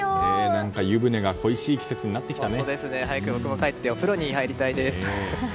何か湯船が恋しい季節になってきたね。